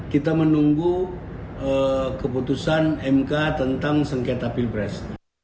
kita menunggu keputusan mk tentang sengketa pilpres